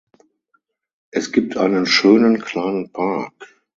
Es gibt einen schönen kleinen Park.